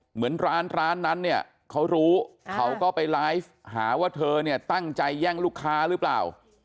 เหมือนร้านนั้นเขารู้เขาก็ไปไลฟ์หาว่าเธอตั้งใจแย่งลูกค้าหรือเปล่า